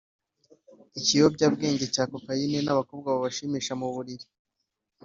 ikiyobyabwenge cya cocaine n’abakobwa babashimisha mu buriri